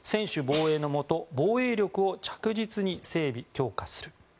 防衛のもと防衛力を着実に整備・強化する。